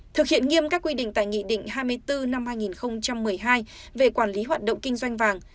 thực hiện nghiêm các quy định tại nghị định hai mươi bốn năm hai nghìn một mươi hai về quản lý hoạt động kinh doanh vàng